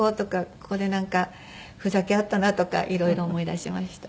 ここでなんかふざけ合ったなとか色々思い出しました。